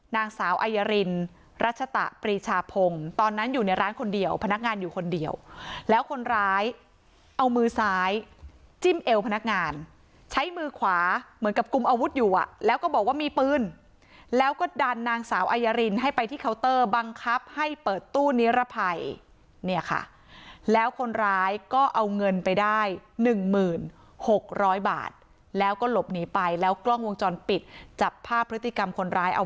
นางสาวอายรินรัชตะปรีชาพงศ์ตอนนั้นอยู่ในร้านคนเดียวพนักงานอยู่คนเดียวแล้วคนร้ายเอามือซ้ายจิ้มเอวพนักงานใช้มือขวาเหมือนกับกุมอาวุธอยู่อ่ะแล้วก็บอกว่ามีปืนแล้วก็ดันนางสาวอายรินให้ไปที่เคาน์เตอร์บังคับให้เปิดตู้นิรภัยเนี่ยค่ะแล้วคนร้ายก็เอาเงินไปได้๑๖๐๐บาทแล้วก็หลบหนีไปแล้วกล้องวงจรปิดจับภาพพฤติกรรมคนร้ายเอา